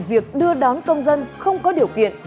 việc đưa đón công dân không có điều kiện